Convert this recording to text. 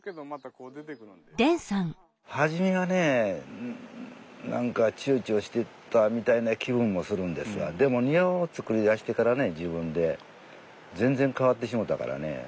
初めはね何かちゅうちょしてたみたいな気分もするんですがでも庭を造りだしてからね自分で全然変わってしもたからね。